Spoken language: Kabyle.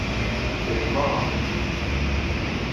Kkren meṛṛa.